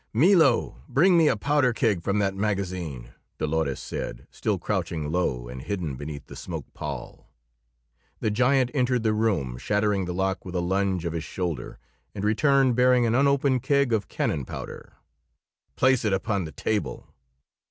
"Milo! Bring me a powder keg from that magazine!" Dolores said, still crouching low and hidden beneath the smoke pall. The giant entered the room, shattering the lock with a lunge of his shoulder, and returned bearing an unopened keg of cannon powder. "Place it upon the table."